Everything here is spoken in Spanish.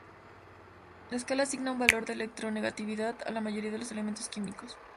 La escala asigna un valor de electronegatividad a la mayoría de los elementos químicos.